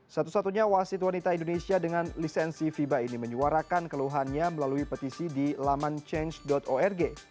satu satunya wasit wanita indonesia dengan lisensi fiba ini menyuarakan keluhannya melalui petisi di laman change org